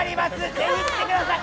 ぜひ来てください。